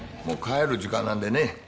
もう帰る時間なんでね